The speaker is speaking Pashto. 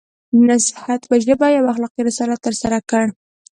د نصیحت په ژبه یو اخلاقي رسالت ترسره کړ.